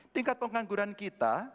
tingkat pengangguran kita